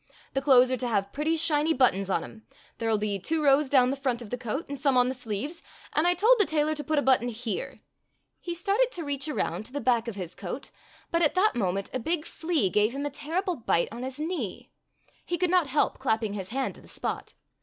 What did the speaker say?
The clothes are to have pretty shiny buttons on 'em. There 'll be two rows down the front of the coat and some on the sleeves, and I told the tailor to put a button here —" He started to reach around to the back of his coat, but at that moment a big fiea gave him a terrible bite on his knee. He could not help clapping his hand to the spot.